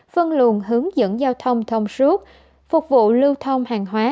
phân luồn hướng dẫn giao thông thông suốt phục vụ lưu thông hàng hóa